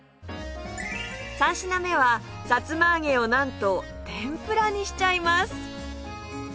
３品目はさつまあげをなんと天ぷらにしちゃいます！